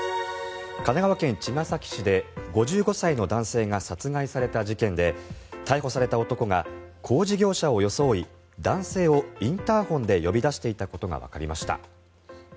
神奈川県茅ヶ崎市で５５歳の男性が殺害された事件で逮捕された男が工事業者を装い男性をインターホンで呼び出していたことがわかりました。